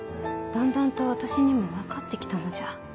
だんだんと私にも分かってきたのじゃ。